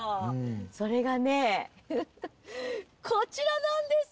それがねこちらなんです！